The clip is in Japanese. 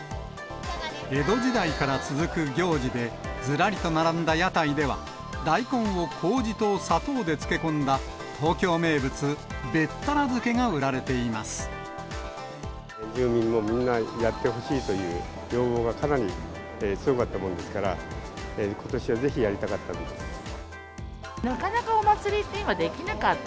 江戸時代から続く行事で、ずらりと並んだ屋台では、大根をこうじと砂糖で漬け込んだ、東京名物、べったら漬けが売られ住民もみんなやってほしいという要望がかなり強かったものですから、ことしはぜひやりたかっ